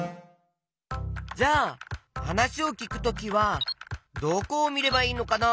じゃあはなしをきくときはどこをみればいいのかな？